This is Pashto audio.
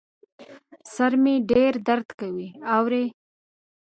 سر مي ډېر درد کوي ، اورې ؟